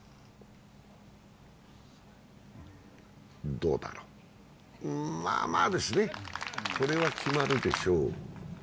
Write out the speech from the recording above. どうだろう、まあまあですね、これは決まるでしょう。